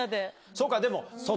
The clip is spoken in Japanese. そうかでも。